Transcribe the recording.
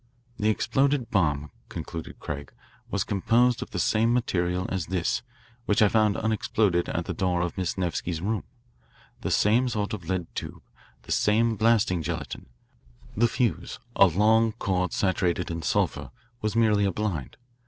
"The exploded bomb," concluded Craig, "was composed of the same materials as this, which I found unexploded at the door of Miss Nevsky's room the same sort of lead tube, the same blasting gelatine. The fuse, a long cord saturated in sulphur, was merely a blind.